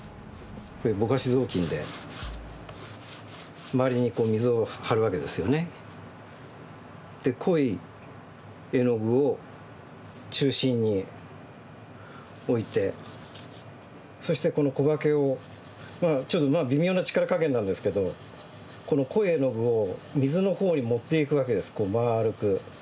ぼかし雑巾で周りに水をはるわけですよね。で濃い絵の具を中心に置いてそしてこの小刷毛をまあちょっと微妙な力加減なんですけどこの濃い絵の具を水の方に持っていくわけですまあるく。